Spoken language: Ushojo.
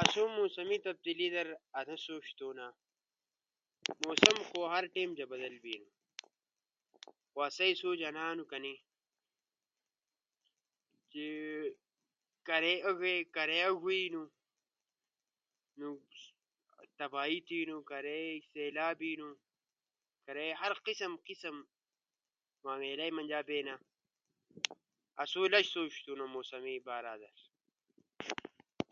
آسو تمو علاقہ در موسمی تبدیلی بارا در انا سوچ تھونا۔ موسمے دا ہر ٹیم تی بدل بینو۔ خو آسئی سوچ تا انا ہنو کنأ کے کارے آڙو بیلو، بیت بیلو کارے ہیم موچینی، ہوا ئے آلی طوفان بیلو۔ کارے آسمان صفا بیلو، کارے گرمی بیلی، کارے شیدل بیلو۔ چین تا لھون بیلو، آڙو بیلو، ہیم موچینی، لڑے ہنی۔ با بجون بیلی، ہر شیئی نیلو بیلو۔ با پشیکال بیلو آڙو بیلی۔ با سبزی موسم بیلو۔ با خزان بیلو۔ لکہ ہر قسم جا موسم آسو موݜو تی آلے۔ آسو ایلا سوچ تھونو کے موسم کدا بدل بینو۔ آسو تی پتہ نی گھٹنی کے کدا لھون بیلو با ختم بیلی، با گرمی شروع بینی۔ نو آسئی علاقہ در موسم بار بار بدل بینو۔ چین تا موسمیاتی تبدیلی کارا ہر دیشا کئی موسم بے ٹیما بدل بینو۔ کدا شیدل گرمی ہشینی، کدا گرمیو در شیدل بینی۔ موسمی بدلون کارا آسئی علاقہ ئے فصل در ہم اثرات تھینا۔ فصل سہی نی بینی۔